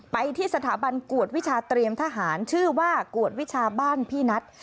ไปที่สถาบันกวดวิชาเตรียมทหารชื่อว่ากวดวิชาบ้านพี่นัท